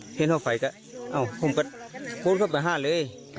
อ่าเฮ่นห้อไฟก็อ้าวห้มก็โฟนเข้าไปห้าเลยอ่า